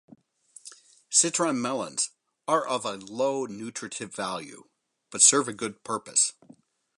Citron melons are of low nutritive value but serve a good purpose.